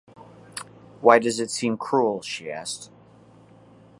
“Why does it seem cruel?” she asked.